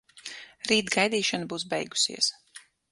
Rīt gaidīšana būs beigusies.